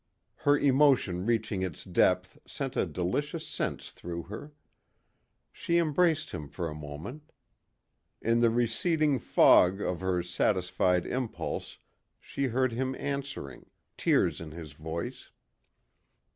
Her emotion reaching its depth sent a delicious sense through her. She embraced him for a moment. In the receding fog of her satisfied impulse she heard him answering, tears in his voice.